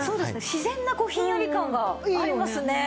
自然なひんやり感がありますね。